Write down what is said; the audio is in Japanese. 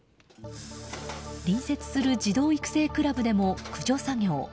隣接する児童育成クラブでも駆除作業。